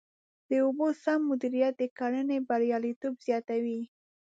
د اوبو سم مدیریت د کرنې بریالیتوب زیاتوي.